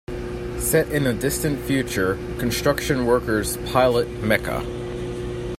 Set in the distant future, construction workers pilot mecha.